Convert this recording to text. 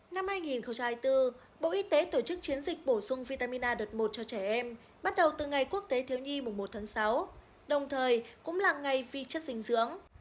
năm hai nghìn hai mươi bốn bộ y tế tổ chức chiến dịch bổ sung vitamin a đợt một cho trẻ em bắt đầu từ ngày quốc tế thiếu nhi mùng một tháng sáu đồng thời cũng là ngày vi chất dinh dưỡng